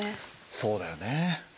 そうだよね。